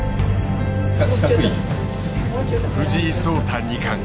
藤井聡太二冠。